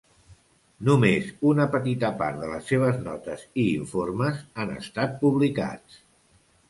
Només una petita part de les seves notes i informes han estat publicats.